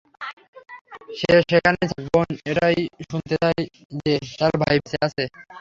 সে যেখানেই থাক, বোন এটাই শুনতে চায় যে, তার ভাই বেঁচে আছে।